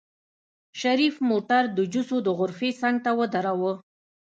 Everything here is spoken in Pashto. شريف موټر د جوسو د غرفې څنګ ته ودروه.